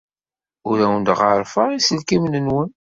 Ur awen-d-ɣerrfeɣ iselkimen-nwen.